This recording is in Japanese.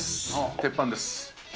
鉄板です。